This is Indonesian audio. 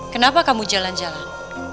kenapa kamu jalan jalan